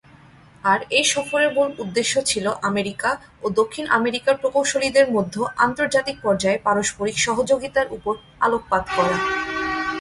আর এ সফরের মূল উদ্দেশ্য ছিলো আমেরিকা ও দক্ষিণ আমেরিকার প্রকৌশলীদের মধ্য আন্তর্জাতিক পর্যায়ে পারস্পরিক সহযোগিতার উপর আলোকপাত করা।